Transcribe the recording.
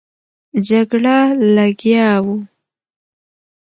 جګړه لګیا وو.